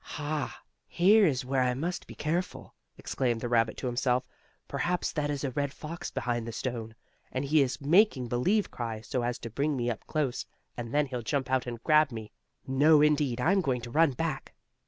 "Ha! Here is where I must be careful!" exclaimed the rabbit to himself. "Perhaps that is a red fox behind the stone, and he is making believe cry, so as to bring me up close, and then he'll jump out and grab me. No indeed, I'm going to run back."